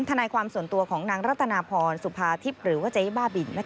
ทนายความส่วนตัวของนางรัตนาพรสุภาทิพย์หรือว่าเจ๊บ้าบิน